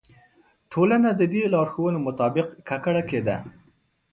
ټولنه د دې لارښوونو مطابق ککړه کېده.